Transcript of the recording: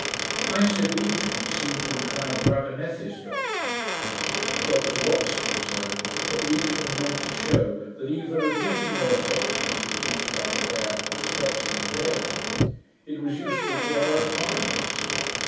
I said, 'Leechman seemed to incline to Abernethy's doctrine.' Dr Watson observed, that Leechman meant to shew, that, even admitting no effect to be produced by prayer, respecting the Deity, it was useful to our own minds.